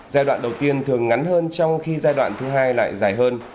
giai đoạn đầu tiên thường ngắn hơn trong khi giai đoạn thứ hai lại dài hơn